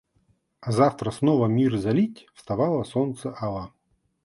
А завтра снова мир залить вставало солнце ало.